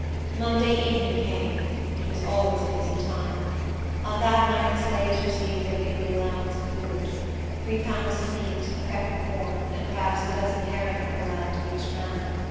Monday evening came. It was always a busy time. On that night the slaves received their weekly allowance of food. Three pounds of meat, a peck of corn, and perhaps a dozen herring were allowed to each man.